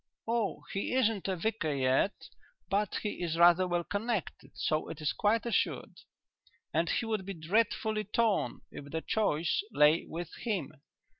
"Oh, he isn't a vicar yet, but he is rather well connected, so it is quite assured. And he would be dreadfully torn if the choice lay with him.